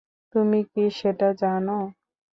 তুমি কি সেটা জানো?